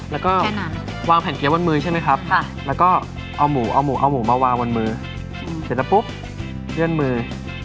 แล้วก็วางแผ่นเกี๊บนมือใช่ไหมครับแล้วก็เอาหมูเอาหมูเอาหมูมาวางบนมือเสร็จแล้วปุ๊บเลื่อนมือ